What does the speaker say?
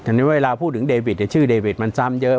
ทีนี้เวลาพูดถึงเดวิดชื่อเดวิดมันซ้ำเยอะ